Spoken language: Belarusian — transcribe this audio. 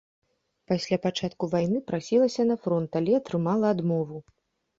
Пасля пачатку вайны прасілася на фронт, але атрымала адмову.